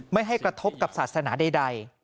ไม่ให้กระทบกับศาสนาใด